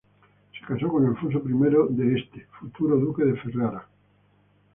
Se casó con Alfonso I de Este, futuro Duque de Ferrara.